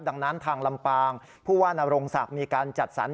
ดังนั้นทางลำปางผู้ว่านรงศักดิ์มีการจัดสรร